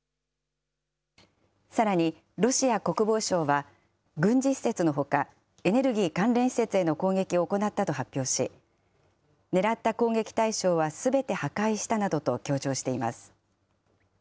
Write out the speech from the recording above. さらに、ロシア国防省は、軍事施設のほか、エネルギー関連施設への攻撃を行ったと発表し、狙った攻撃対象はすべて破壊したなどと強調しています。